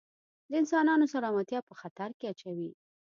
د انسانانو سلامتیا په خطر کې اچوي.